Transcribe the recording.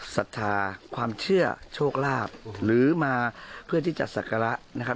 ศรัทธาความเชื่อโชคลาภหรือมาเพื่อที่จะศักระนะครับ